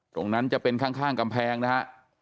ตรงนั้นจะเป็นข้างกำแพงนะฮะ